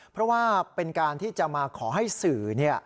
เพราะว่าเป็นการที่จะมาขอให้สื่อ